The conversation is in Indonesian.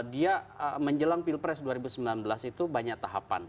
dia menjelang pilpres dua ribu sembilan belas itu banyak tahapan